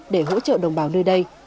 để hỗ trợ đồng bào nơi đây